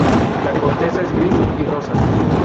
La corteza es gris y rosa.